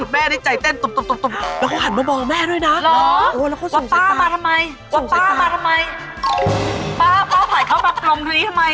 แม่ในใจเต้นตุบแล้วเขาหันมาบอกแม่ด้วยนะแล้วเขาสูงสายตาว่าป้ามาทำไมว่าป้ามาทำไมป้าป้าผ่านเข้ามากลมที่นี่ทำไม